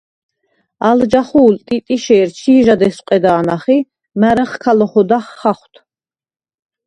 ალ ჯახუ̄ლ ტიტიშე̄რ ჩი̄ჟად ესვყედა̄ნახ ი მა̈რხჷ ქა ლოჰოდახ ხახვდ.